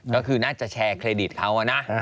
ก็คือน่าจะแชร์เครดิตเขานะ